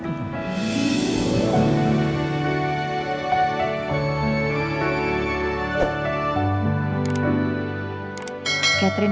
mau melamar pak catherine